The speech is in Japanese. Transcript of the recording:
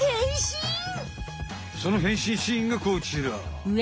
その変身シーンがこちら。